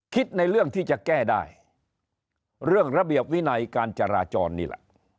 ในเรื่องที่จะแก้ได้เรื่องระเบียบวินัยการจราจรนี่แหละ